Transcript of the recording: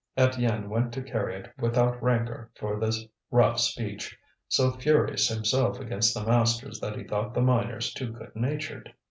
Étienne went to carry it without rancour for this rough speech, so furious himself against the masters that he thought the miners too good natured.